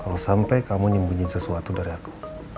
kalo sampe kamu nyembunyi sesuatu dari aku